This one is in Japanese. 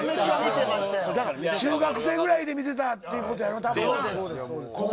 中学生ぐらいで見てたってことよな。